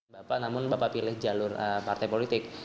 bapak namun bapak pilih jalur partai politik